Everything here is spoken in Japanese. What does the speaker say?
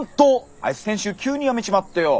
あいつ先週急に辞めちまってよォ。